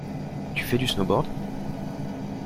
Tu fais du snowboard?